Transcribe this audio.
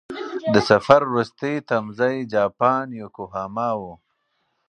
د سفر وروستی تمځی جاپان یوکوهاما و.